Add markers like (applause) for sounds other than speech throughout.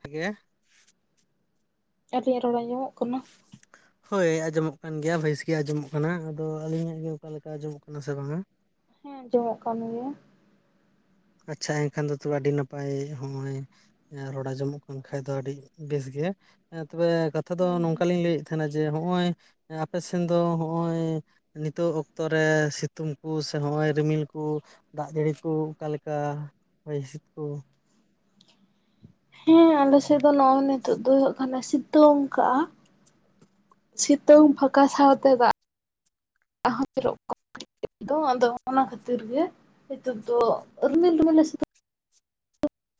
ᱴᱷᱤᱠ ᱜᱮᱭᱟ ᱾ ᱟᱞᱤᱧᱚᱜ ᱨᱚᱲ ᱟᱸᱡᱚᱢᱚᱜ ᱠᱟᱱᱟ? ᱦᱳᱭ, ᱟᱸᱡᱚᱢᱚᱜ ᱠᱟᱱ ᱜᱮᱭᱟ ᱵᱮᱥ ᱜᱮ ᱟᱸᱡᱚᱢᱚᱜ ᱠᱟᱱᱟ, ᱟᱫᱚ ᱟᱹᱞᱤᱧᱟᱜ ᱜᱮ ᱚᱠᱟ ᱞᱮᱠᱟ ᱟᱸᱡᱚᱢᱚᱜ ᱠᱟᱱᱟ ᱥᱮ ᱵᱟᱝᱼᱟ? ᱦᱮᱸ ᱟᱸᱡᱚᱢᱚᱜ ᱠᱟᱱ ᱜᱮᱭᱟ ᱾ ᱟᱪᱪᱷᱟ ᱮᱱᱠᱷᱟᱱ ᱫᱚ ᱛᱚᱵᱮ ᱟᱹᱰᱤ ᱱᱟᱯᱟᱭ ᱦᱚᱜᱼᱚᱭ ᱦᱮᱸ ᱨᱚᱲ ᱟᱸᱡᱚᱢᱚᱜ ᱠᱟᱱ ᱠᱷᱟᱡ ᱫᱚ ᱟᱹᱰᱤ ᱵᱮᱥ ᱜᱮ, ᱮ-ᱛᱚᱵᱮ ᱠᱟᱛᱷᱟ ᱫᱚ ᱦᱩᱸ ᱦᱩᱸ᱾ ᱱᱚᱝᱠᱟᱞᱤᱧ ᱞᱮᱭᱮᱜ ᱛᱟᱦᱮᱱᱟ ᱡᱮ ᱦᱚᱸᱜᱼᱚᱭ ᱟᱯᱮ ᱥᱮᱱ ᱫᱚ ᱦᱚᱜᱼᱚᱭ ᱱᱤᱛᱚᱜ ᱚᱠᱛᱚᱨᱮ ᱥᱤᱛᱩᱝ ᱠᱩ ᱥᱮ ᱦᱚᱜᱼᱚᱭ ᱨᱤᱢᱤᱞ ᱠᱩ, ᱫᱟᱜ ᱡᱟᱹᱲᱤ ᱠᱩ ᱚᱠᱟ ᱞᱮᱠᱟ ᱦᱚᱭ ᱦᱤᱥᱤᱫ ᱠᱚ? ᱦᱮᱸ ᱟᱞᱮᱥᱮᱜ ᱫᱚ ᱱᱚᱜᱚᱭ ᱱᱤᱛᱚᱜ ᱫᱚ ᱦᱳᱭᱳᱜ ᱠᱟᱱᱟ ᱥᱤᱛᱩᱝ ᱠᱟᱜᱼᱟ ᱾ ᱥᱤᱛᱩᱝ ᱯᱷᱟᱸᱠᱟ ᱥᱟᱶᱛᱮ ᱫᱟᱜ ᱦᱚᱸ ᱡᱚᱨᱚᱜ (inaudible) ᱟᱫᱚ ᱚᱱᱟ ᱠᱷᱟᱹᱛᱤᱨ ᱜᱮ ᱱᱤᱛᱚᱜ ᱫᱚ ᱨᱤᱢᱤᱞ ᱨᱤᱢᱤᱞ ᱞᱮ ᱥᱤᱛᱩ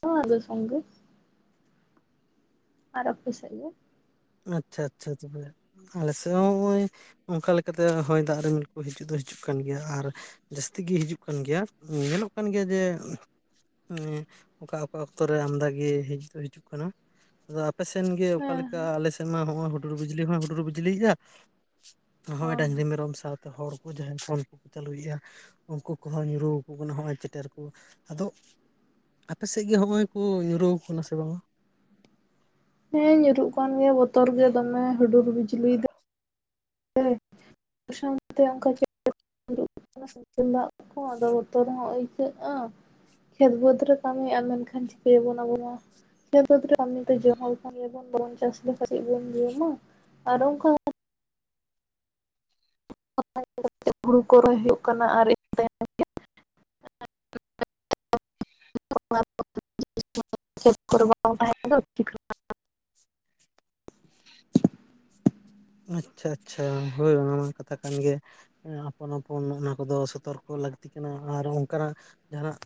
(unintelligible) ᱥᱚᱸᱜᱮ ᱾ ᱟᱨ ᱟᱯᱮ ᱥᱮᱜ ᱫᱚ? ᱟᱪᱪᱷᱟ ᱟᱪᱪᱷᱟ ᱛᱚᱵᱮ, ᱟᱞᱮᱥᱮᱜ ᱦᱚᱸ ᱦᱚᱜᱼᱚᱭ ᱚᱝᱠᱟ ᱞᱮᱠᱟᱛᱮ ᱦᱚᱭ ᱫᱟᱜ ᱨᱤᱢᱤᱞ ᱠᱩ ᱦᱤᱡᱩᱜ ᱫᱚ ᱦᱤᱡᱩᱜ ᱠᱟᱱ ᱜᱮᱭᱟ ᱾ ᱟᱨ ᱡᱟᱹᱥᱛᱤ ᱜᱤ ᱦᱤᱡᱩᱜ ᱠᱟᱱ ᱜᱮᱭᱟ ᱾ ᱧᱮᱞᱚᱜ ᱠᱟᱱ ᱜᱮᱭᱟ ᱡᱮ ᱚᱱᱮᱸ ᱚᱠᱟ ᱚᱠᱟ ᱚᱠᱛᱚ ᱨᱮ ᱟᱢᱫᱟᱜᱮ ᱦᱮᱡ ᱫᱚ ᱦᱤᱡᱩᱜ ᱠᱟᱱᱟ, ᱟᱫᱚ ᱟᱯᱮᱥᱮᱱ ᱜᱮ ᱦᱮᱸ ᱚᱠᱟᱞᱮᱠᱟ? ᱥᱮᱱ ᱢᱟ ᱦᱚᱸᱜᱼᱚᱭ ᱦᱩᱰᱩᱨ ᱵᱤᱡᱞᱤ ᱦᱚᱸᱭ ᱦᱩᱰᱩᱨ ᱵᱤᱡᱽᱞᱤᱜᱼᱟ, ᱱᱚᱜᱼᱚᱭ ᱦᱚᱸ᱾ ᱰᱟᱝᱨᱤ ᱢᱮᱨᱚᱢ ᱥᱟᱶᱛᱮ ᱦᱚᱲ ᱩᱱᱠᱩ ᱡᱟᱦᱟᱸᱭ ᱯᱷᱚᱞ ᱠᱚᱠᱚ ᱪᱟᱹᱞᱩᱭᱮᱜᱼᱟ ᱩᱝᱠᱩ ᱠᱚᱦᱚᱸ ᱧᱩᱨᱩ ᱟᱠᱚ ᱠᱟᱱᱟ ᱦᱚᱜᱼᱭ ᱪᱮᱴᱮᱨ ᱠᱩ ᱾ ᱟᱫᱚ ᱟᱯᱮᱥᱮᱜ ᱜᱮ ᱦᱚᱸᱜᱼᱚᱭ ᱠᱚ ᱧᱩᱨᱩᱣᱟᱠᱚ ᱠᱟᱱᱟ ᱥᱮ ᱵᱟᱝᱟ? ᱦᱮᱸ ᱧᱩᱨᱩᱜ ᱠᱟᱱ ᱜᱮᱭᱟ ᱵᱚᱛᱚᱨ ᱜᱮ ᱫᱚᱢᱮ ᱦᱩᱰᱩᱨ ᱵᱤᱡᱽᱞᱤ (inaudible) (unintelligible) ᱥᱟᱝᱛᱮ ᱚᱝᱠᱟ (unintelligible) ᱥᱮᱝᱜᱮᱞ ᱫᱟᱜ ᱠᱚ ᱟᱫᱚ ᱵᱚᱛᱚᱨ ᱦᱚᱸ ᱟᱹᱭᱠᱟᱹᱜᱼᱟ ᱾ ᱠᱷᱮᱛ ᱵᱟᱹᱫᱽ ᱨᱮ ᱠᱟᱹᱢᱤ ᱟᱨ ᱢᱮᱱᱠᱷᱟᱱ ᱪᱤᱠᱟᱹᱭᱟᱵᱚᱱ ᱟᱵᱚ ᱢᱟ ᱾ ᱠᱷᱮᱛ ᱵᱟᱹᱫ ᱨᱮ ᱠᱟᱹᱢᱤ ᱛᱮ ᱡᱚᱢᱟᱵᱚᱱ (inaudible) ᱵᱟᱵᱚᱱ ᱪᱟᱥ ᱞᱮᱠᱷᱟᱡ ᱪᱮᱜ ᱵᱚᱱ ᱡᱚᱢᱟ? ᱟᱨ ᱚᱝᱠᱟ (inaudible) ᱦᱩᱲᱩ ᱠᱚ ᱨᱚᱦᱚᱭ ᱦᱩᱭᱩᱜ ᱠᱟᱱᱟ ᱟᱨ ᱤᱧ (inaudible) (inaudible) (inaudible) ᱟᱪᱪᱷᱟ ᱟᱪᱪᱷᱟ ᱦᱳᱭ ᱚᱱᱟ ᱢᱟ ᱠᱟᱛᱷᱟ ᱠᱟᱱ ᱜᱮᱭᱟ ᱾ ᱟᱯᱚᱱ ᱟᱯᱚᱱ ᱚᱱᱟ ᱠᱚᱫᱚ ᱥᱚᱛᱚᱨᱠᱚ ᱞᱟᱹᱠᱛᱤ ᱠᱟᱱᱟ, ᱟᱨ ᱚᱝᱠᱟᱱᱟᱜ ᱡᱟᱦᱟᱱᱟᱜ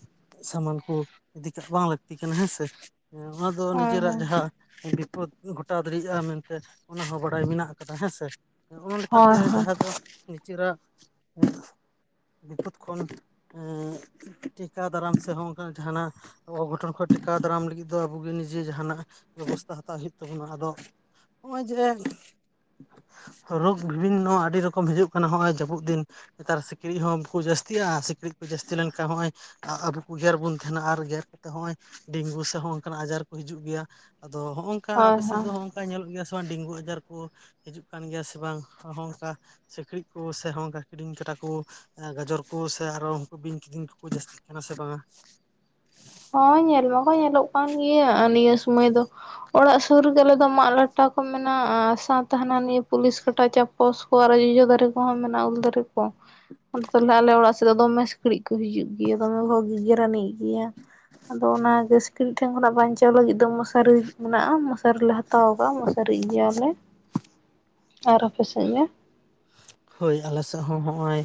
ᱥᱟᱢᱟᱱ ᱠᱚ ᱤᱫᱤ ᱠᱟᱜ ᱵᱟᱝ ᱞᱟᱹᱠᱛᱤ ᱠᱟᱱᱟ ᱦᱮᱸᱥᱮ ᱾ ᱮ ᱚᱱᱟ ᱫᱚ ᱦᱳᱭ ᱱᱤᱡᱮᱨᱟᱜ ᱦᱳᱭ ᱡᱟᱦᱟᱸ ᱵᱤᱯᱚᱫ ᱜᱷᱚᱴᱟᱣ ᱫᱟᱲᱮᱭᱟᱜᱼᱟ ᱢᱮᱱᱛᱮ ᱚᱱᱟ ᱦᱚᱸ ᱵᱟᱲᱟᱭ ᱢᱮᱱᱟᱜ ᱠᱟᱫᱟ ᱦᱮᱸᱥᱮ, ᱚᱱᱟ ᱞᱮᱠᱟᱛᱮ ᱦᱳᱭ ᱡᱟᱦᱟᱸ ᱫᱚ ᱱᱤᱡᱮᱨᱟᱜ ᱵᱤᱯᱚᱫ ᱠᱷᱚᱱ ᱴᱮᱠᱟ ᱫᱟᱨᱟᱢ ᱥᱮ ᱦᱚᱸ ᱚᱝᱠᱟ ᱡᱟᱦᱟᱱᱟᱜ ᱚᱜᱷᱚᱴᱚᱱ ᱠᱷᱚᱜ ᱴᱮᱠᱟᱣ ᱫᱟᱨᱟᱢ ᱞᱟᱹᱜᱤᱫ ᱫᱚ ᱟᱵᱚᱜᱮ ᱱᱤᱡᱮ ᱡᱟᱦᱟᱸᱱᱟᱜ ᱵᱮᱵᱚᱥᱛᱷᱟ ᱦᱟᱛᱟᱣ ᱦᱩᱭᱩᱜ ᱛᱟᱵᱚᱱᱟ ᱾ ᱟᱫᱚ ᱦᱚᱸᱜᱼᱚᱭ ᱡᱮ ᱨᱳᱜᱽ ᱵᱤᱵᱷᱤᱱᱱᱚ ᱟᱹᱰᱤ ᱨᱚᱠᱚᱢ ᱦᱤᱡᱩᱜ ᱠᱟᱱᱟ ᱦᱚᱸᱜᱼᱚᱭ ᱡᱟᱹᱯᱩᱜ ᱫᱤᱱ ᱾ ᱱᱮᱛᱟᱨ ᱥᱤᱠᱲᱤᱡ ᱦᱚᱸ ᱵᱟᱠᱚ ᱡᱟᱹᱥᱛᱤᱜᱼᱟ, ᱟᱨ ᱥᱤᱠᱲᱤᱡ ᱠᱚ ᱡᱟᱹᱥᱛᱤ ᱞᱮᱱᱠᱷᱟᱡ ᱦᱚᱜᱼᱚᱭ ᱟ ᱟᱵᱩ ᱠᱩ ᱜᱮᱨ ᱵᱩᱱ ᱛᱟᱸᱦᱮᱱᱟ ᱟᱨ ᱜᱮᱨ ᱠᱟᱛᱮᱜ ᱦᱚᱜᱼᱚᱭ ᱰᱮᱝᱜᱩ ᱥᱮ ᱦᱚᱸ ᱚᱝᱠᱟᱱᱟᱜ ᱟᱡᱟᱨ ᱠᱚ ᱦᱤᱡᱩᱜ ᱜᱮᱭᱟ ᱾ ᱟᱫᱚ ᱦᱚᱸᱜ ᱚᱝᱠᱟ ᱦᱳᱭ ᱟᱯᱮ ᱥᱮᱫ ᱦᱳᱭ ᱫᱚ ᱦᱚᱜ ᱚᱝᱠᱟ ᱧᱮᱞᱚᱜ ᱜᱮᱭᱟ ᱥᱮ ᱵᱟᱝ ᱰᱮᱝᱜᱩ ᱟᱡᱟᱨ ᱠᱚ ᱦᱤᱡᱩᱜ ᱠᱟᱱ ᱜᱮᱭᱟ ᱥᱮ ᱵᱟᱝ ᱦᱚᱝ ᱠᱟ ᱥᱤᱠᱲᱤᱡ ᱠᱚ ᱥᱮ ᱦᱚᱝ ᱠᱟ ᱠᱤᱰᱤᱧ ᱠᱟᱴᱟ ᱠᱚ, ᱟ ᱜᱟᱡᱚᱨ ᱠᱚ ᱥᱮ ᱟᱨᱚ ᱩᱝᱠᱩ ᱵᱤᱧ ᱠᱤᱫᱤᱧ ᱠᱩᱠᱩ ᱡᱟᱹᱥᱛᱤᱜ ᱠᱟᱱᱟ ᱥᱮ ᱵᱟᱝᱟ? ᱦᱚᱸ ᱧᱮᱞ ᱢᱟᱠᱚ ᱧᱮᱞᱚᱜ ᱠᱟᱱ ᱜᱮᱭᱟ ᱟᱨ ᱱᱤᱭᱟᱹ ᱥᱩᱢᱚᱭ ᱫᱚ ᱾ ᱚᱲᱟᱜ ᱥᱩᱨ ᱨᱮᱜᱮ ᱟᱞᱮᱫᱚ ᱢᱟᱜ ᱞᱟᱴᱟ ᱠᱚ ᱢᱮᱱᱟᱜᱼᱟ ᱥᱟᱶᱛᱮ ᱦᱟᱱᱟ ᱱᱤᱭᱟᱹ ᱯᱩᱞᱤᱥ ᱠᱟᱴᱟ ᱪᱟ ᱯᱚᱥ ᱠᱚ ᱟᱨᱚ ᱡᱚᱡᱚ ᱫᱟᱨᱤ ᱠᱚᱦᱚᱸ ᱢᱮᱱᱟᱜᱼᱟ ᱩᱞ ᱫᱟᱨᱤ ᱠᱚ ᱾ ᱟᱫᱚ ᱛᱟᱦᱚᱞᱮ ᱟᱞᱮ ᱚᱲᱟᱜ ᱥᱮᱫ ᱫᱚᱢᱮ ᱥᱤᱠᱬᱤᱡ ᱠᱚ ᱦᱤᱡᱩᱜ ᱜᱮᱭᱟ, ᱫᱚᱢᱮ ᱠᱚ ᱜᱮᱜᱮᱨᱟᱱᱤᱡ ᱜᱮᱭᱟ ᱾ ᱟᱫᱚ ᱚᱱᱟ ᱜᱮ ᱥᱤᱠᱲᱤᱡ ᱴᱷᱮᱱ ᱠᱷᱚᱱᱟᱜ ᱵᱟᱧᱪᱟᱣ ᱞᱟᱹᱜᱤᱫ ᱫᱚ ᱢᱚᱥᱟᱨᱤ ᱢᱮᱱᱟᱜᱼᱟ, ᱢᱚᱥᱟᱨᱤ ᱞᱮ ᱦᱟ ᱛᱟᱣ ᱠᱟᱜᱼᱟ ᱢᱚᱥᱟᱨᱤᱜ ᱜᱮᱭᱟᱞᱮ ᱟᱨ ᱟᱯᱮ ᱥᱮᱜ ᱜᱮ? ᱦᱳᱭ, ᱟᱞᱮ ᱥᱮᱜ ᱦᱚᱸ ᱦᱚᱜᱼᱚᱭ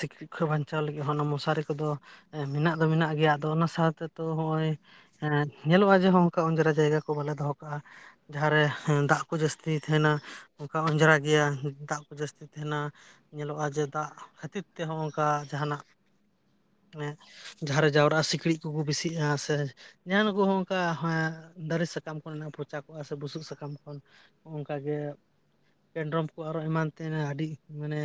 ᱥᱤᱠᱲᱤᱡ ᱠᱷᱚᱱ ᱵᱟᱧᱪᱟᱣ ᱞᱟᱹᱜᱤᱫ ᱦᱚᱸ ᱚᱱᱟ ᱢᱚᱥᱟᱨᱤ ᱠᱚᱫᱚ ᱢᱮᱱᱟᱜ ᱫᱚ ᱢᱮᱱᱟᱜ ᱜᱮᱭᱟ ᱾ ᱟᱫᱚ ᱚᱱᱟ ᱥᱟᱶᱛᱮᱛᱚ ᱦᱚᱸᱜᱼᱚᱭ ᱦᱮᱸ ᱧᱮᱞᱚᱜᱼᱟ ᱡᱮ ᱦᱚᱜ ᱚᱝᱠᱟ ᱚᱸᱡᱨᱟ ᱡᱟᱭᱜᱟ ᱠᱚ ᱵᱟᱞᱮ ᱫᱚᱦᱚ ᱠᱟᱜᱼᱟ ᱾ ᱡᱟᱦᱟᱸ ᱨᱮ ᱫᱟᱜ ᱠᱚ ᱡᱟᱹᱥᱛᱤ ᱛᱟᱦᱮᱱᱟ ᱚᱝᱠᱟ ᱚᱸᱡᱨᱟ ᱜᱮᱭᱟ ᱫᱟᱜ ᱠᱚ ᱡᱟᱹᱥᱛᱤ ᱛᱟᱦᱮᱱᱟ ᱾ ᱧᱮᱞᱚᱜᱼᱟ ᱡᱮ ᱫᱟᱜ ᱠᱷᱟᱹᱛᱤᱨ ᱛᱮ ᱦᱚᱸ ᱚᱝᱠᱟ ᱡᱟᱦᱟᱱᱟᱜ ᱢᱮ ᱡᱟᱦᱟᱸᱨᱮ ᱡᱟᱣᱨᱟᱜᱼᱟ ᱥᱤᱠᱲᱤᱡ ᱠᱩᱠᱩ ᱵᱤᱥᱤᱜᱼᱟ, ᱥᱮ ᱡᱟᱦᱟᱸᱱ ᱠᱚ ᱚᱝᱠᱟ ᱦᱮᱸᱜ ᱫᱟᱨᱤ ᱥᱟᱠᱟᱢ ᱠᱚᱨᱮᱱᱟᱜ ᱯᱚᱪᱟ ᱠᱚᱜᱼᱟ, ᱥᱮ ᱵᱩᱥᱩᱵ ᱥᱟᱠᱟᱢ ᱠᱷᱚᱱ ᱦᱚᱜ ᱚᱝᱠᱟ ᱜᱮ ᱯᱮᱱᱰᱨᱚᱢ ᱠᱚ ᱟᱨᱚ ᱮᱢᱟᱱ ᱛᱮᱱᱟᱜ ᱟᱹᱰᱤ ᱢᱟᱱᱮ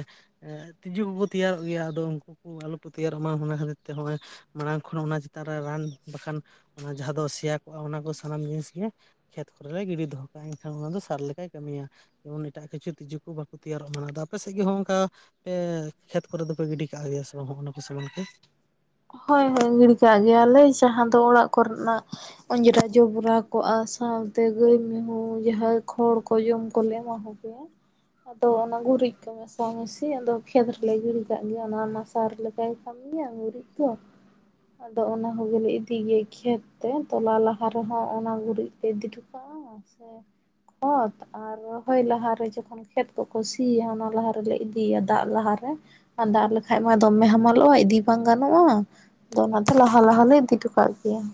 ᱛᱤᱡᱩ ᱠᱚᱠᱚ ᱛᱮᱭᱟᱨᱚᱜ ᱜᱮᱭᱟ, ᱟᱫᱚ ᱩᱝ ᱠᱩ ᱟᱞᱚᱯᱮ ᱛᱮᱭᱟᱨᱚᱜ ᱢᱟ ᱚᱱᱟ ᱠᱷᱟᱹᱛᱤᱨ ᱛᱮ ᱦᱚᱜᱼᱚᱭ ᱢᱟᱲᱟᱝ ᱠᱷᱚᱱ ᱚᱱᱟ ᱪᱮᱛᱟᱱ ᱨᱟᱱ ᱵᱟᱠᱷᱟᱱ ᱚᱱᱟ ᱡᱟᱦᱟᱸ ᱫᱚ ᱥᱮᱭᱟ ᱠᱚᱜᱼᱟ ᱚᱱᱟ ᱠᱚ ᱥᱟᱱᱟᱢ ᱡᱤᱱᱤᱥ ᱜᱮ ᱠᱷᱮᱛ ᱠᱚᱨᱮᱞᱮ ᱜᱤᱰᱤ ᱫᱚᱦᱚ ᱠᱟᱜᱼᱟ ᱮᱱᱠᱷᱟᱱ ᱚᱱᱟ ᱫᱚ ᱥᱟᱨ ᱞᱮᱠᱟᱭ ᱠᱟᱹᱢᱤᱭᱟ ᱾ ᱮᱴᱟᱜ ᱠᱤᱪᱷᱩ ᱛᱤᱡᱩ ᱠᱚ ᱵᱟᱠᱚ ᱛᱮᱭᱟᱨᱚᱜ ᱢᱟ ᱾ ᱟᱫᱚ ᱟᱯᱮ ᱥᱮᱡ ᱜᱮ ᱦᱚᱸ ᱚᱝᱠᱟ ᱯᱮ ᱠᱷᱮᱛ ᱠᱚᱨᱮ ᱫᱚᱯᱮ ᱜᱤᱰᱤ ᱠᱟᱜᱼᱟ ᱜᱮᱭᱟ ᱥᱮ ᱵᱟᱝ ᱦᱚᱸᱜᱼ ᱚᱱᱟ ᱠᱚ ᱥᱟᱢᱟᱱ ᱠᱩ? ᱦᱳᱭ ᱦᱳᱭ, ᱜᱤᱲᱤ ᱠᱟᱜ ᱜᱮᱭᱟᱞᱮ ᱡᱟᱦᱟᱸ ᱫᱚ ᱚᱲᱟᱜ ᱠᱚᱨᱮᱱᱟᱜ ᱚᱸᱡᱽᱨᱟ ᱡᱚᱵᱽᱨᱟ ᱠᱚᱜᱼᱟ ᱥᱟᱶᱛᱮ ᱜᱟᱹᱭ ᱢᱤᱦᱩ ᱡᱟᱦᱟᱸ ᱠᱷᱚᱲ ᱠᱚ ᱡᱚᱢ ᱠᱚᱞᱮ ᱮᱢᱟ ᱠᱚᱜᱮᱭᱟ, ᱟᱫᱚ ᱚᱱᱟ ᱜᱩᱨᱤᱡ ᱠᱚ ᱢᱮᱥᱟ ᱢᱮᱥᱤ ᱟᱫᱚ ᱠᱷᱮᱛ ᱨᱮᱞᱮ ᱜᱤᱲᱤ ᱠᱟᱜ ᱜᱮᱭᱟ, ᱚᱱᱟ ᱢᱟ ᱥᱟᱨ ᱞᱮᱠᱟᱭ ᱠᱟᱹᱢᱤᱭᱟ ᱜᱩᱨᱤᱡ ᱾ ᱛᱚ, ᱟᱫᱚ ᱚᱱᱟ ᱠᱚᱜᱮᱞᱮ ᱤᱫᱤ ᱜᱮᱭᱟ ᱠᱷᱮᱛ ᱛᱮ, ᱛᱚᱞᱟ ᱞᱟᱦᱟ ᱨᱮᱦᱚᱸ ᱚᱱᱟ ᱜᱩᱨᱤᱡ ᱛᱮ ᱤᱫᱤ ᱴᱚ ᱠᱟᱜᱼᱟ ᱥᱮ ᱠᱷᱚᱛ ᱟᱨ ᱨᱚᱦᱚᱭ ᱞᱟᱦᱟᱨᱮ ᱡᱚᱠᱷᱚᱱ ᱠᱷᱮᱛ ᱠᱚᱠᱚ ᱥᱤᱭᱟ ᱚᱱᱟ ᱞᱟᱦᱟ ᱨᱮᱞᱮ ᱤᱫᱤᱭᱟ ᱫᱟᱜ ᱞᱟᱦᱟᱨᱮ ᱾ ᱟ ᱫᱟᱜ ᱞᱮᱠᱷᱟᱡ ᱢᱟ ᱫᱚᱢᱮ ᱦᱟᱢᱟᱞᱚᱜᱼᱟ ᱤᱫᱤ ᱵᱟᱝ ᱜᱟ ᱱᱚᱜᱼᱟ ᱟᱫᱚ ᱚᱱᱟᱛᱮ ᱞᱟᱦᱟ ᱞᱟᱦᱟᱞᱮ ᱤᱫᱤ ᱦᱚᱴᱚ ᱠᱟᱜ ᱜᱮᱭᱟ ᱾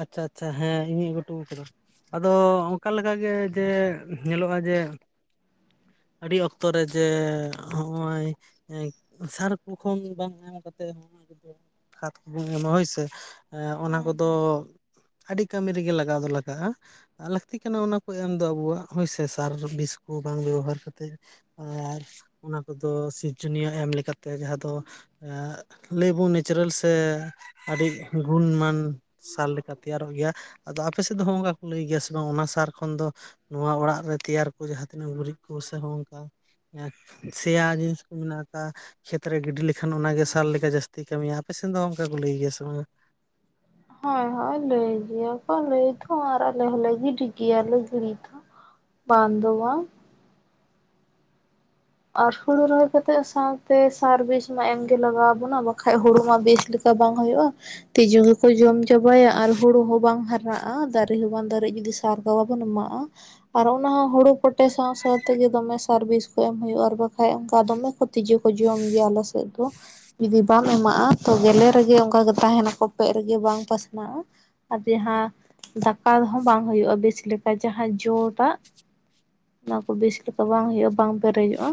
ᱟᱪᱪᱷᱟ, ᱟᱪᱪᱷᱟ! ᱦᱮᱸ ᱤᱧᱤᱧ ᱟᱹᱜᱩᱴᱩ ᱠᱟᱫᱟ ᱾ ᱟᱫᱚ ᱚᱝᱠᱟ ᱞᱮᱠᱟᱜᱮ ᱡᱮ ᱧᱮᱞᱚᱜᱼᱟ ᱡᱮ ᱟᱹᱰᱤ ᱚᱠᱛᱚ ᱨᱮ ᱡᱮ ᱦᱚᱸᱜᱼᱚᱭ ᱦᱮᱸ ᱥᱟᱨᱠᱩ ᱠᱷᱚᱱ ᱵᱟᱝ ᱮᱢ ᱠᱟᱛᱮ ᱦᱚᱸ ᱠᱷᱟᱫᱽ ᱠᱚᱵᱚᱱ ᱮᱢᱟ ᱦᱳᱭᱥᱮ ᱚᱱᱟ ᱠᱚᱫᱚ ᱟᱹᱰᱤ ᱠᱟᱹᱢᱤ ᱨᱮᱜᱮ ᱞᱟᱜᱟᱣ ᱫᱚ ᱞᱟᱜᱟᱜᱼᱟ ᱟᱨ ᱞᱟᱠᱛᱤ ᱠᱟᱱᱟ ᱚᱱᱟ ᱠᱚ ᱮᱢ ᱫᱚ ᱟᱵᱚᱣᱟᱜ ᱦᱳᱭᱥᱮ ᱥᱟᱨ ᱵᱤᱥᱠᱩ ᱵᱟᱝ ᱵᱮᱵᱚᱦᱟᱨ ᱠᱟᱛᱮᱜ, ᱟᱨ ᱚᱱᱟ ᱠᱚᱫᱚ ᱥᱤᱨᱡᱚᱱᱤᱭᱟᱹ ᱮᱢ ᱞᱮᱠᱟᱛᱮ ᱡᱟᱦᱟᱸ ᱫᱚ ᱞᱟᱹᱭᱵᱚᱱ ᱱᱮᱪᱟᱨᱮᱞ ᱥᱮ ᱟᱹᱰᱤ ᱜᱩᱱᱢᱟᱱ ᱥᱟᱨ ᱞᱮᱠᱟ ᱛᱮᱭᱟᱨᱚᱜ ᱜᱮᱭᱟ ᱟᱫᱚ ᱟᱯᱮ ᱥᱮᱫ ᱫᱚ ᱦᱚᱸᱜᱼᱚᱭ ᱱᱚᱝᱠᱟ ᱠᱚ ᱞᱟᱹᱭ ᱜᱮᱭᱟ ᱥᱮ ᱵᱟᱝ ᱚᱱᱟ ᱥᱟᱨ ᱠᱷᱚᱱ ᱫᱚ ᱱᱚᱣᱟ ᱚᱲᱟᱜ ᱨᱮ ᱛᱮᱭᱟᱨ ᱠᱚ ᱡᱟᱦᱟᱸ ᱛᱤᱱᱟᱹᱜ ᱜᱩᱨᱤᱡ ᱠᱚ ᱥᱮ ᱱᱚᱝᱠᱟ ᱥᱮᱭᱟ ᱡᱤᱱᱤᱥ ᱠᱚ ᱢᱮᱱᱟᱜ ᱟᱠᱟ ᱠᱷᱮᱛ ᱨᱮ ᱜᱤᱰᱤ ᱞᱮᱠᱷᱟᱱ ᱚᱱᱟᱜᱮ ᱥᱟᱨ ᱞᱮᱠᱟ ᱡᱟᱹᱥᱛᱤ ᱠᱟᱹᱢᱤᱭᱟ ᱟᱯᱮ ᱥᱮᱱ ᱫᱚ ᱚᱱᱠᱟ ᱠᱚ ᱞᱟᱹᱭ ᱜᱮᱭᱟ ᱥᱮ ᱵᱟᱝ? ᱦᱳᱭ ᱦᱳᱭ ᱞᱟᱹᱭ ᱜᱮᱭᱟ ᱠᱚ ᱞᱟᱹᱭ ᱫᱚ, ᱟᱨ ᱟᱞᱮ ᱦᱚᱸᱞᱮ ᱜᱤᱰᱤ ᱜᱮᱭᱟᱞᱮ ᱜᱤᱲᱤ ᱫᱚ᱾ ᱵᱟᱝ ᱫᱚ ᱵᱟᱝ᱾ ᱟᱨ ᱦᱩᱲᱩ ᱨᱚᱦᱚᱭ ᱠᱟᱛᱮᱜ ᱥᱟᱶᱛᱮ ᱥᱟᱨ ᱵᱤᱥ ᱢᱟ ᱮᱢ ᱜᱮ ᱞᱟᱜᱟᱣ ᱟᱵᱚᱱᱟ ᱵᱟᱠᱷᱟᱡ ᱦᱩᱲᱩ ᱢᱟ ᱵᱤᱥ ᱪᱮᱠᱟ ᱵᱟᱝ ᱦᱩᱭᱩᱜ-ᱟ, ᱛᱤᱡᱩ ᱜᱮᱠᱚ ᱡᱚᱢ ᱪᱟᱵᱟᱭᱟ ᱟᱨ ᱦᱩᱲᱩ ᱦᱚᱸ ᱵᱟᱝ ᱦᱟᱨ ᱟᱜ-ᱟ ᱫᱟᱨᱮ ᱦᱚᱸ ᱵᱟᱝ ᱫᱟᱨᱮ ᱡᱩᱫᱤ ᱥᱟᱨ ᱵᱟᱵᱚᱱ ᱮᱢᱟᱜ-ᱟ᱾ ᱟᱨ ᱚᱱᱟ ᱦᱚᱸ ᱦᱩᱲᱩ ᱯᱚᱴᱮ ᱥᱟᱶ ᱥᱟᱶᱛᱮᱜᱮ ᱫᱚᱢᱮ ᱥᱟᱨᱵᱤᱥ ᱦᱩᱭᱩᱜ-ᱟ, ᱟᱨ ᱵᱟᱠᱷᱟᱡ ᱚᱱᱠᱟ ᱫᱚᱢᱮ ᱠᱚ ᱛᱤᱡᱩ ᱠᱚ ᱡᱚᱢ ᱜᱮᱭᱟ ᱟᱞᱮ ᱥᱮᱫ ᱫᱚ᱾ ᱡᱩᱫᱤ ᱵᱟᱢ ᱮᱢᱟᱜ-ᱟ ᱛᱚ ᱜᱮᱞᱮ ᱨᱮᱜᱮ ᱚᱝᱠᱟ ᱜᱮ ᱛᱟᱦᱮᱱᱟ ᱠᱚᱯᱮᱜ ᱨᱮᱜᱮ ᱵᱟᱝ ᱯᱟᱥᱱᱟᱜ-ᱟ᱾ ᱟᱨ ᱡᱟᱦᱟᱸ ᱫᱟᱠᱟᱦᱚᱸ ᱵᱟᱝ ᱦᱩᱭᱩᱜ-ᱟ ᱵᱮᱥ ᱞᱮᱠᱟ ᱡᱟᱦᱟᱸ ᱡᱚᱴᱟᱜ᱾ ᱚᱱᱟ ᱠᱚ ᱵᱮᱥ ᱞᱮᱠᱟ ᱵᱟᱝ ᱦᱩᱭᱩᱜ-ᱟ ᱵᱟᱝ ᱯᱮᱨᱮᱡᱚᱜ-ᱟ᱾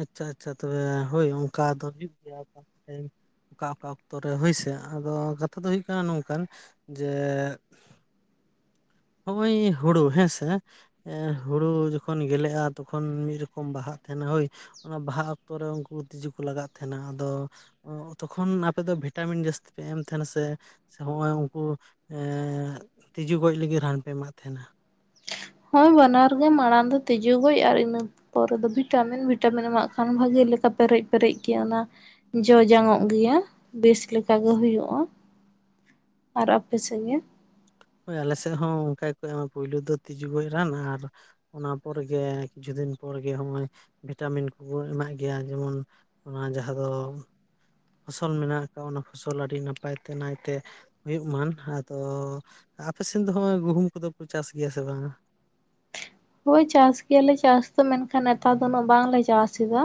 ᱟᱪᱪᱷᱟ ᱟᱪᱪᱷᱟ, ᱛᱚᱵᱮ ᱦᱳᱭ ᱚᱱᱠᱟ ᱫᱚ ᱦᱩᱭᱩᱜ ᱜᱮᱭᱟ ᱵᱟᱨ ᱯᱮ ᱴᱟᱭᱤᱢ ᱾ ᱚᱠᱟ ᱚᱠᱟ ᱚᱠᱛᱚᱨᱮ ᱦᱳᱭᱥᱮ ᱟᱫᱚ ᱠᱟᱛᱷᱟ ᱫᱚ ᱦᱩᱭᱩᱜ ᱠᱟᱱᱟ ᱱᱚᱝᱠᱟᱱ ᱡᱮ ᱦᱚᱜ-ᱚᱭ ᱦᱳᱲᱳ ᱦᱮᱸᱥᱮ᱾ ᱮᱸ ᱦᱳᱲᱳ ᱡᱚᱠᱷᱚᱱ ᱜᱮᱞᱮᱜ-ᱟ ᱛᱚᱠᱷᱚᱱ ᱢᱤᱫ ᱨᱚᱠᱚᱢ ᱵᱟᱦᱟᱜ ᱠᱟᱱᱟ ᱦᱳᱭ᱾ ᱚᱱᱟ ᱵᱟᱦᱟ ᱚᱠᱛᱚᱨᱮ ᱩᱱᱠᱩ ᱛᱤᱡᱩ ᱠᱚ ᱞᱟᱜᱟᱜ ᱛᱟᱦᱮᱱᱟ ᱟᱫᱚ ᱛᱚᱠᱷᱚᱱ ᱟᱯᱮ ᱫᱚ ᱵᱷᱤᱴᱟᱢᱤᱱ ᱡᱟᱹᱥᱛᱤ ᱯᱮ ᱮᱢ ᱛᱟᱦᱮᱱᱟ ᱥᱮ᱾ ᱦᱚᱸᱜ-ᱚᱭ ᱩᱱᱠᱩ ᱛᱤᱡᱩ ᱜᱚᱡ ᱞᱟᱹᱜᱤᱫ ᱨᱟᱱ ᱯᱮ ᱮᱢᱢᱟᱜ ᱛᱟᱦᱮᱱᱟ᱾ ᱦᱳᱭ ᱵᱟᱱᱟᱨ ᱜᱮ ᱢᱟᱲᱟᱝ ᱫᱚ ᱛᱤᱡᱳ ᱜᱚᱡ ᱟᱨ ᱤᱱᱟᱹ ᱯᱚᱨᱮ ᱫᱚ ᱵᱷᱤᱴᱟᱢᱤᱱ ᱵᱷᱤᱴᱟᱢᱤᱱ ᱮᱢᱟᱜ ᱠᱷᱟᱱ ᱵᱷᱟᱜᱮ ᱞᱮᱠᱟ ᱯᱮᱨᱮᱡ ᱯᱮᱨᱮᱡ ᱜᱮ ᱚᱱᱟ ᱡᱚ ᱡᱟᱝ ᱚᱜ ᱜᱮᱭᱟ ᱵᱮᱥ ᱞᱮᱠᱟ ᱜᱮ ᱦᱩᱭᱩᱜ-ᱟ᱾ ᱟᱨ ᱟᱯᱮ ᱥᱮᱱ ᱜᱮ? ᱦᱳᱭ ᱟᱞᱮ ᱥᱮᱫ ᱦᱚᱸ ᱚᱱᱠᱟ ᱜᱮᱠᱚ ᱮᱢᱟ ᱯᱩᱭᱞᱩ ᱫᱚ ᱛᱤᱡᱩ ᱜᱚᱡ ᱨᱟᱱ ᱟᱨ ᱚᱱᱟ ᱯᱚᱨᱮ ᱜᱮ ᱠᱤᱪᱷᱩ ᱫᱤᱱ ᱯᱚᱨᱮ ᱜᱮ ᱦᱚᱜ-ᱚᱭ ᱵᱷᱤᱴᱟᱢᱤᱱ ᱠᱩ ᱠᱩ ᱮᱢᱟᱜ ᱜᱮᱭᱟ ᱡᱮᱢᱚᱱ ᱚᱱᱟ ᱡᱟᱦᱟᱸ ᱫᱚ ᱯᱷᱚᱥᱚᱞ ᱢᱮᱱᱟᱜ ᱟᱠᱟᱜ ᱚᱱᱟ ᱯᱷᱚᱥᱚᱞ ᱟᱹᱰᱤ ᱱᱟᱯᱟᱭ ᱛᱮ ᱱᱟᱭᱛᱮ ᱦᱩᱭᱩᱜ ᱢᱟᱱ ᱟᱫᱚ ᱟᱯᱮ ᱥᱮᱫ ᱫᱚ ᱦᱚᱜ-ᱚᱭ ᱜᱩᱦᱩᱢ ᱠᱚᱫᱚ ᱠᱚ ᱪᱟᱥ ᱜᱮᱭᱟ ᱥᱮ ᱵᱟᱝᱟ? ᱦᱳᱭ ᱪᱟᱥ ᱜᱮᱭᱟᱞᱮ ᱪᱟᱥ ᱫᱚ ᱢᱮᱱᱠᱷᱟᱱ ᱱᱮᱛᱟᱨ ᱫᱚ ᱩᱱᱟᱹᱜ ᱵᱟᱝᱞᱮ ᱪᱟᱥ ᱮᱫᱟ᱾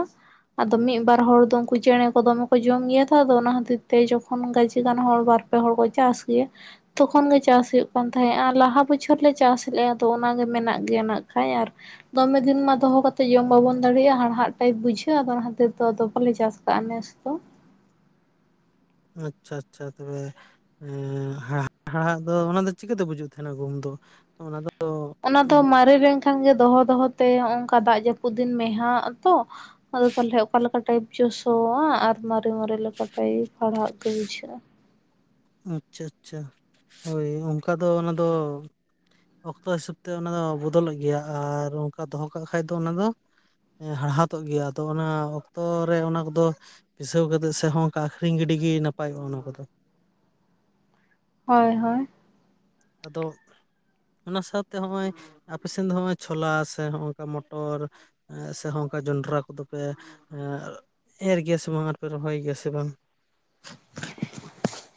ᱟᱫᱚ ᱢᱤᱫ ᱵᱟᱨ ᱦᱚᱲ ᱫᱚ ᱩᱱᱠᱩ ᱪᱮᱬᱮ ᱠᱚ ᱫᱚᱢᱮ ᱠᱚ ᱡᱚᱢ ᱜᱮᱭᱟ ᱛᱚ ᱟᱫᱚ ᱚᱱᱟ ᱠᱷᱟᱛᱤᱨ ᱡᱚᱠᱷᱚᱱ ᱜᱟᱡᱮ ᱜᱟᱱ ᱦᱚᱲ ᱵᱟᱨ ᱯᱮ ᱦᱚᱲ ᱠᱚ ᱪᱟᱥ ᱜᱮᱭᱟ᱾ ᱛᱚᱠᱷᱚᱱ ᱜᱮ ᱪᱟᱥ ᱦᱩᱭᱩᱜ ᱠᱟᱱ ᱛᱟᱦᱮᱸᱫ ᱟᱨ ᱞᱟᱦᱟ ᱵᱚᱪᱷᱚᱨ ᱞᱮ ᱪᱟᱥ ᱞᱮᱜ-ᱟ ᱛᱚ ᱚᱱᱟᱜᱮ ᱢᱮᱱᱟᱜ ᱜᱮᱭᱟ ᱱᱟᱜ᱾ ᱠᱷᱟᱭᱟᱨ᱾ ᱫᱚᱢᱮ ᱫᱤᱱ ᱢᱟ ᱫᱚᱦᱚ ᱠᱟᱛᱮᱫ ᱡᱚᱢ ᱵᱟᱵᱚᱱ ᱫᱟᱲᱮᱭᱟᱜ-ᱟ, ᱦᱟᱲᱦᱟᱜ ᱴᱟᱭᱤᱯ ᱵᱩᱡᱷᱟᱹᱣᱟ ᱟᱫᱚ ᱚᱱᱟ ᱠᱷᱟᱛᱤᱨ ᱟᱫᱚ ᱵᱟᱞᱮ ᱪᱟᱥ ᱠᱟᱜ-ᱟ, ᱱᱮᱥ ᱫᱚ᱾ ᱟᱪᱪᱷᱟ ᱟᱪᱪᱷᱟ, ᱛᱚᱵᱮ ᱦᱮ ᱦᱟᱲᱟᱜ ᱫᱚ ᱚᱱᱟ ᱫᱚ ᱪᱤᱠᱟᱹᱛᱮ ᱵᱩᱡᱩᱜ ᱛᱟᱦᱮᱱᱟ ᱜᱩᱦᱩᱢ ᱫᱚ ᱚᱱᱟ ᱫᱚ ᱚᱱᱟ ᱫᱚ ᱢᱟᱨᱮ ᱞᱮᱱᱠᱷᱟᱱ ᱜᱮ ᱫᱚᱦᱚ ᱫᱚᱦᱚᱛᱮ ᱦᱚ ᱚᱝᱠᱟ ᱫᱟᱜ ᱡᱟᱹᱯᱩᱫ ᱫᱤᱱ ᱢᱮᱦᱟᱜ ᱛᱚ, ᱟᱫᱚ ᱛᱟᱦᱚᱞᱮ ᱚᱠᱟ ᱞᱮᱠᱟ᱾ ᱯᱟᱴᱟᱭᱤᱯ ᱪᱚ ᱥᱚᱣᱟ ᱟᱨ ᱢᱟᱨᱮ ᱢᱟᱨᱮ ᱞᱮᱯᱟ ᱴᱟᱭᱤᱯ ᱦᱟᱲᱦᱟᱱ ᱠᱚ ᱵᱩᱡᱷᱟᱹᱜ-ᱟ᱾ ᱟᱪᱪᱷᱟ ᱟᱪᱪᱷᱟ, ᱦᱳᱭ ᱚᱝᱠᱟ ᱫᱚ ᱚᱱᱟ ᱫᱚ ᱚᱠᱛᱚ ᱦᱤᱥᱟᱹᱵᱽ ᱛᱮ ᱚᱱᱟ ᱫᱚ ᱵᱚᱫᱚᱞᱚᱜ ᱜᱮᱭᱟ ᱟᱨ ᱚᱝᱠᱟ ᱫᱚᱦᱚ ᱠᱟᱜ ᱠᱷᱟᱡ ᱫᱚ ᱚᱱᱟ ᱫᱚ ᱦᱟᱲᱦᱟᱛᱚᱜ ᱜᱮᱭᱟ ᱟᱫᱚ ᱚᱱᱟ ᱚᱠᱛᱚᱨ ᱨᱮ ᱚᱱᱟ ᱠᱚᱫᱚ ᱯᱤᱥᱟᱹᱣ ᱠᱟᱛᱮᱫ ᱥᱮ ᱦᱚᱸ ᱚᱱᱠᱟ ᱟᱹᱠᱷᱨᱤᱧ ᱜᱤᱰᱤ ᱜᱤ ᱱᱟᱯᱟᱭᱚᱜ-ᱟ ᱚᱱᱟ ᱠᱚᱫᱚ᱾ ᱦᱚᱭ ᱦᱚᱭ᱾ ᱟᱫᱚ ᱚᱣᱟ ᱥᱟᱣᱛᱮ ᱦᱚᱜ-ᱚᱭ ᱟᱯᱮ ᱥᱮᱱ ᱫᱚ ᱦᱚᱜ-ᱚᱭ ᱪᱷᱳᱞᱟ ᱥᱮ ᱱᱚᱭ ᱱᱚᱝᱠᱟ ᱢᱚᱴᱚᱨ ᱮᱻ ᱥᱮ ᱦᱚᱸ ᱚᱜᱠᱟ ᱡᱚᱸᱰᱨᱟ ᱠᱚᱫᱚ ᱯᱮ ᱮᱨ ᱜᱮᱭᱟ ᱥᱮ ᱵᱟᱝ ᱟᱨᱯᱮ ᱨᱚᱦᱚᱭ ᱜᱮᱭᱟ ᱥᱮ ᱵᱟᱝ?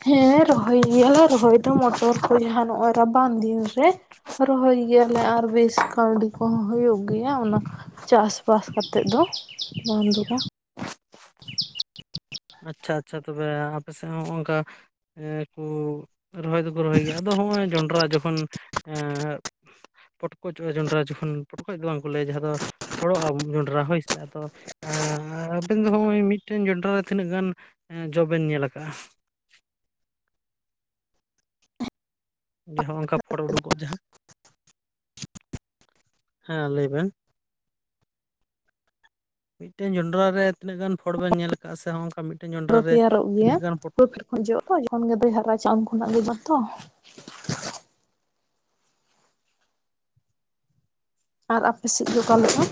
ᱦᱮᱸ ᱨᱚᱦᱚᱭ ᱜᱮᱭᱟᱞᱮ ᱨᱚᱦᱚᱭ ᱫᱚ ᱢᱚᱴᱚᱨ ᱠᱚ ᱡᱟᱦᱟᱸ ᱱᱚᱜᱼᱚᱭ ᱨᱟᱵᱟᱝ ᱫᱤᱱ ᱨᱮ ᱦᱚᱨᱚᱭ ᱜᱮᱭᱟᱞᱮ ᱟᱨ ᱵᱮᱥ ᱠᱟᱹᱣᱰᱤ ᱠᱚᱦᱚᱸ ᱦᱩᱭᱩᱜ ᱜᱮᱭᱟ ᱚᱱᱟ ᱪᱟᱥᱵᱟᱥ ᱠᱟᱛᱮᱫ ᱫᱚ ᱵᱚᱝ ᱫᱚ ᱵᱟᱝ᱾ ᱟᱪᱪᱷᱟ ᱟᱪᱪᱷᱟ ᱛᱚᱵᱮ ᱟᱯᱮᱥᱮᱫ ᱦᱚᱸ ᱦᱚᱜᱼᱚᱝᱠᱟ ᱠᱩ ᱨᱚᱦᱚᱭ ᱫᱚᱠᱚ ᱨᱚᱦᱚᱭ ᱜᱮᱭᱟ ᱟᱫᱚ ᱦᱚᱸᱜᱼᱚᱭ ᱡᱚᱱᱰᱨᱟ ᱡᱚᱠᱷᱚᱱ ᱮ ᱯᱚᱴᱠᱚᱡᱚᱜᱼᱟ ᱡᱚᱸᱰᱨᱟ ᱡᱚᱠᱷᱚᱱ ᱯᱚᱴᱠᱚᱡ ᱫᱚ ᱵᱟᱝ ᱠᱚ ᱞᱟᱹᱭᱟ ᱡᱟᱦᱟᱸ ᱫᱚ ᱯᱷᱚᱲᱚᱜᱼᱟ ᱡᱚᱸᱰᱨᱟ ᱦᱳᱭᱥᱮ ᱟᱫᱚ ᱟᱻ ᱟᱵᱮᱱ ᱫᱚ ᱦᱚᱸᱜᱼᱚᱭ ᱢᱤᱫᱴᱮᱱ ᱡᱚᱱᱰᱨᱟ ᱛᱤᱱᱟᱹᱜ ᱜᱟᱱ ᱮᱸ ᱡᱚ ᱵᱮᱱ ᱧᱮᱞ ᱟᱠᱟᱜᱼᱟ? ᱡᱟᱦᱟᱸ ᱚᱝᱠᱟ ᱯᱷᱚᱲ ᱩᱰᱩᱠᱚᱜ ᱡᱟᱦᱟᱸ? ᱦᱮᱸ ᱞᱟᱹᱭ ᱵᱮᱱ ᱾ ᱢᱤᱫᱴᱮᱱ ᱡᱚᱸᱰᱨᱟ ᱨᱮ ᱛᱤᱱᱟᱹᱜ ᱜᱟᱱ ᱯᱷᱚᱲ ᱵᱮᱱ ᱧᱮᱞ ᱟᱠᱟᱜᱼᱟ ᱥᱮ ᱦᱚᱜᱼᱚᱝᱠᱟ ᱢᱤ ᱫᱚ ᱛᱮᱭᱟᱨᱚᱜ ᱜᱮᱭᱟ ᱵᱟᱹᱫᱽ ᱠᱷᱚᱱ ᱡᱚᱜᱼᱟ ᱛᱚ ᱡᱚᱠᱷᱚᱱ ᱜᱮ ᱫᱚᱭ ᱦᱟᱨᱟᱪᱟᱢ ᱠᱷᱚᱱᱟᱜ ᱜᱮ ᱵᱟᱝᱛᱚ ᱾ ᱟᱨ ᱟᱯᱮ ᱥᱮᱫ ᱫᱚ ᱚᱠᱟᱞᱮᱠᱟ?